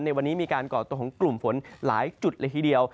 ในวันนี้มีการก่อตัวของกลุ่มฝนหลายจุดเลยทีเดียว